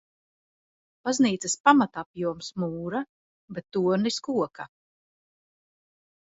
Baznīcas pamatapjoms – mūra, bet tornis – koka.